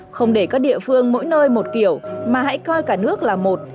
không để các địa phương mỗi nơi một kiểu mà hãy coi cả nước là một